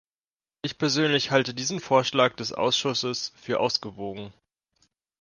Ich persönlich halte diesen Vorschlag des Ausschusses für ausgewogen.